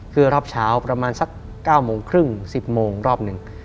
คือรอบเช้าประมาณสัก๙โมงครึ่ง๑๐โมงรอบหนึ่ง